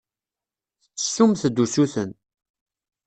Tettessumt-d usuten.